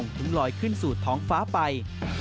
ถึงลอยขึ้นสู่ท้องฟ้าไป